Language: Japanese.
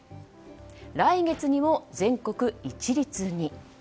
来月にも全国一律に。